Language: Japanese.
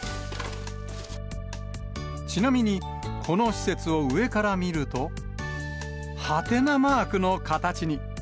ちなみにこの施設を上から見ると、ハテナマークの形に。